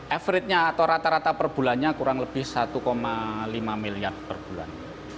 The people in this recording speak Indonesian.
average nya atau rata rata per bulannya kurang lebih satu lima miliar per bulan